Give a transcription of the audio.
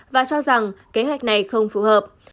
và cho rằng kế hoạch này không phù hợp